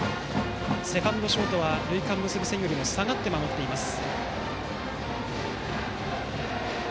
セカンド、ショートは塁間を結ぶ線よりも下がって守っています。